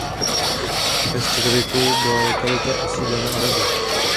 Ve středověku byla lokalita osídlena Araby.